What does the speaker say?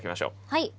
はい。